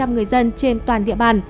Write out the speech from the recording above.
một trăm linh người dân trên toàn địa bàn